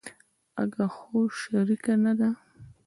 اگه خو شريکه ده کنه.